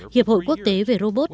hiệp hội quốc tế về robot